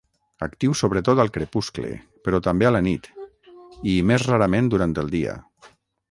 Actiu sobretot al crepuscle, però també a la nit i, més rarament, durant el dia.